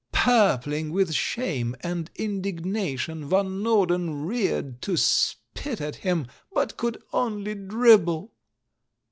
Purpling with shame and indignation, Van Norden reared to spit at him, but could only dribble.